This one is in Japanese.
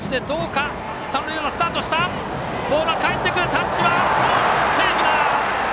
タッチはセーフだ！